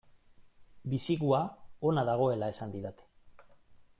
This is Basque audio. Bisigua ona dagoela esan didate.